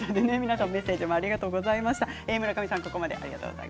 メッセージもありがとうございました。